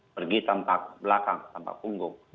pergi tanpa belakang tanpa punggung